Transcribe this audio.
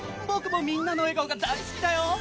僕もみんなの笑顔が大好きだよ。